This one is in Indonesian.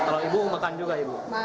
kalau ibu makan juga ibu